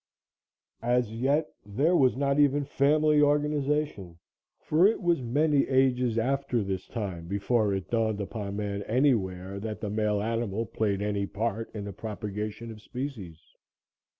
As yet, there was not even family organization, for it was many ages after this time before it dawned upon man anywhere that the male animal played any part in the propagation of species.